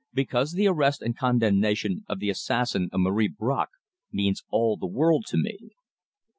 "Because the arrest and condemnation of the assassin of Marie Bracq means all the world to me."